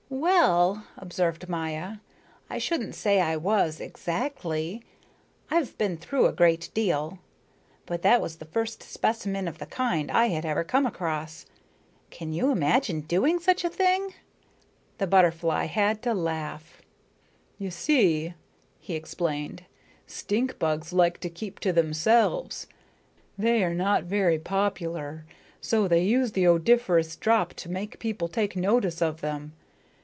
"Well," observed Maya, "I shouldn't say I was exactly. I've been through a great deal. But that was the first specimen of the kind I had ever come across. Can you imagine doing such a thing?" The butterfly had to laugh again. "You see," he explained, "stink bugs like to keep to themselves. They are not very popular, so they use the odoriferous drop to make people take notice of them.